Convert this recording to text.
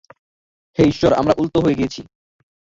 হে ঈশ্বর, আমরা উল্টো হয়ে গেছি!